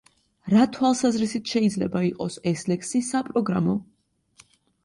რა თვალსაზრისით შეიძლება იყოს ეს ლექსი საპროგრამო?